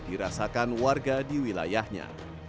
dirasakan warga di wilayahnya